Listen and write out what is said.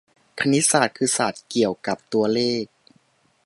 คณิตศาสตร์คือศาสตร์เกี่ยวกับตัวเลข